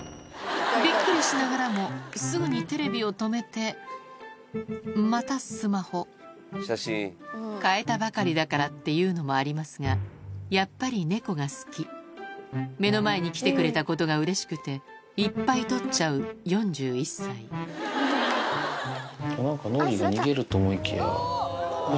びっくりしながらもすぐにテレビを止めてまたスマホ替えたばかりだからっていうのもありますがやっぱりネコが好き目の前に来てくれたことがうれしくていっぱい撮っちゃう４１歳何かのりが。